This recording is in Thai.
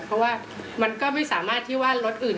เพราะว่ามันก็ไม่สามารถที่ว่ารถอื่น